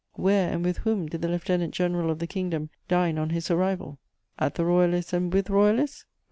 Where and with whom did the Lieutenant General of the Kingdom dine on his arrival? At the Royalists' and with Royalists?